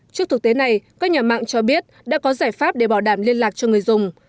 trước thực tế này các nhà mạng cho biết đã có giải pháp để bảo đảm liên lạc cho người dùng